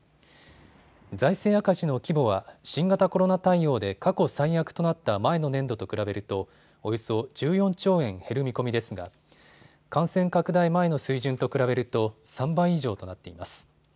財政赤字の規模は新型コロナ対応で過去最悪となった前の年度と比べるとおよそ１４兆円減る見込みですが感染拡大前の水準と比べると３倍以上となっています。